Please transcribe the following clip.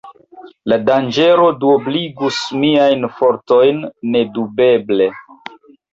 La danĝero duobligus miajn fortojn, nedubeble.